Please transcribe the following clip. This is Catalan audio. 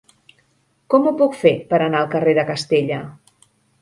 Com ho puc fer per anar al carrer de Castella?